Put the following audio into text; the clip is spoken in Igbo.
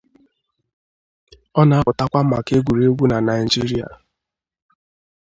Ọ na-apụtakwa maka egwuregwu na Naijiria.